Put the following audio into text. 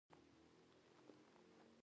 کچالو په کلیوالو سیمو کې ډېر کرل کېږي